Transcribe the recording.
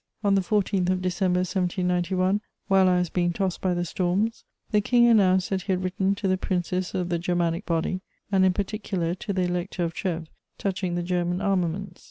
On the 14th of December 1791, while I was being tossed by the storms, the King announced that he had written to the Princes of the Germanic Body, and in particular to the Elector of Trèves, touching the German armaments.